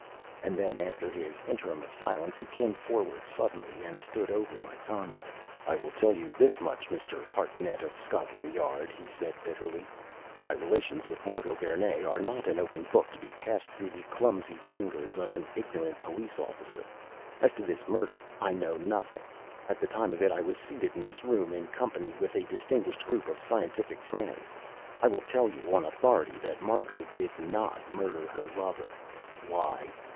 And then, after his interim of silence, he came forward sullenly and stood over my comrade. "I will tell you this much, Mr. Hartnett of Scotland Yard," he said bitterly: "My relations with Margot Vernee are not an open book to be passed through the clumsy fingers of ignorant police officers. As to this murder, I know nothing. At the time of it, I was seated in this room in company with a distinguished group of scientific friends. I will tell you, on authority, that Margot did not murder her lover. Why?